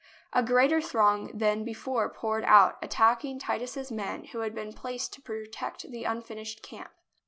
A greater throng than before poured out, attacking Titus's men, who had been placed to protect the unfin ished camp.